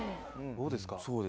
どうですか？